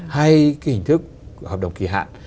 hay cái hình thức hợp đồng kỳ hạn